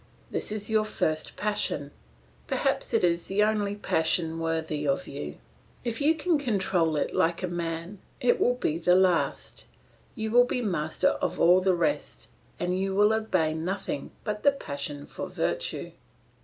"This is your first passion. Perhaps it is the only passion worthy of you. If you can control it like a man, it will be the last; you will be master of all the rest, and you will obey nothing but the passion for virtue.